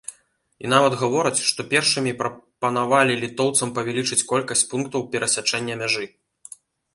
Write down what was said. І нават гавораць, што першымі прапанавалі літоўцам павялічыць колькасць пунктаў перасячэння мяжы.